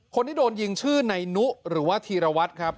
คนที่โดนยิงชื่อนายนุหรือว่าธีรวัตรครับ